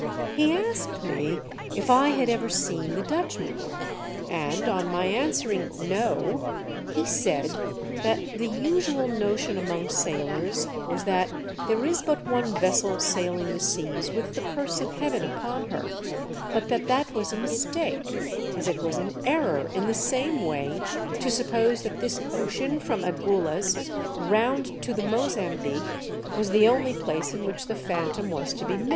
He asked me if I had ever seen the Dutchman, and on my answering "No," he said that the usual notion among sailors was that there is but one vessel sailing the seas with the curse of Heaven upon her, but that that was a mistake, as it was an error in the same way to suppose that this ocean from Agulhas round to the Mozambique was the only place in which the Phantom was to be met.